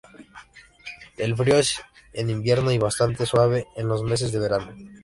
Es frío en invierno y bastante suave en los meses de verano.